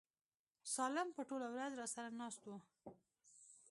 سالم به ټوله ورځ راسره ناست و.